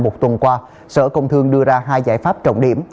một tuần qua sở công thương đưa ra hai giải pháp trọng điểm